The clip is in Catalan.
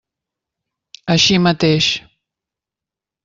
Així mateix.